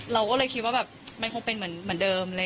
เราก็เลยคิดว่าแบบมันคงเป็นเหมือนเดิม